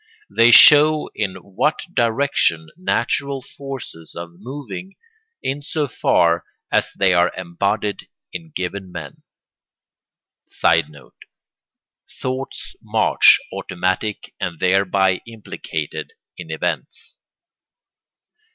They show in what direction natural forces are moving in so far as they are embodied in given men. [Sidenote: Thought's march automatic and thereby implicated in events.